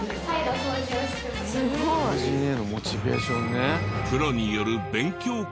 掃除へのモチベーションね。